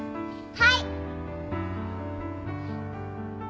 はい。